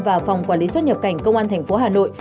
và phòng quản lý xuất nhập cảnh công an tp hà nội